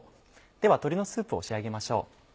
では鶏のスープを仕上げましょう。